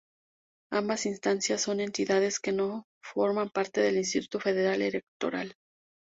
Ambas instancias son entidades que no forman parte del Instituto Federal Electoral.